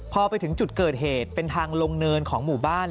พอไปถึงจุดเกิดเหตุเป็นทางลงเนินของหมู่บ้าน